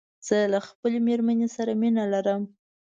زه له خپلې ميرمن سره مينه لرم